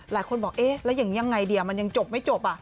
หลายคนบอกเอ๊ะแล้วอย่างนี้ยังไงดีมันยังจบไม่จบ